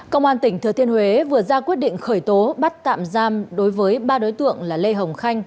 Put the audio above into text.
công an tỉnh thừa thiên huế vừa ra quyết định khởi tố bắt tạm giam đối với ba đối tượng là lê hồng khanh